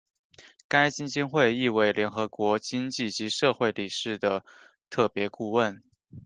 该基金会亦为联合国经济及社会理事会的特别顾问。